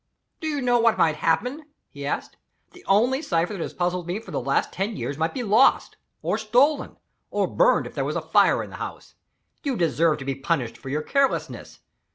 "Do you know what might happen?" he asked. "The only cipher that has puzzled me for the last ten years might be lost or stolen or burned if there was a fire in the house. You deserve to be punished for your carelessness.